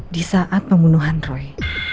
di saat pembunuhan roy